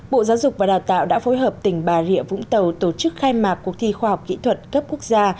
bộ giáo dục và đào tạo đã phối hợp tỉnh bà rịa vũng tàu tổ chức khai mạc cuộc thi khoa học kỹ thuật cấp quốc gia